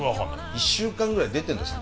１週間ぐらい出てんだよ